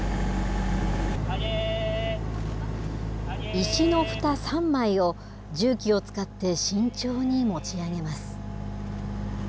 石のふた３枚を重機を使って慎重に持ち上げます。